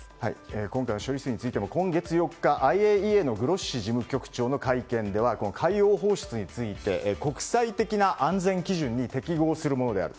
今回の処理水についても今月４日、ＩＡＥＡのグロッシ事務局長の会見では海洋放出について国際的な安全基準に適合するものである。